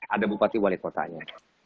ada bupati wali kota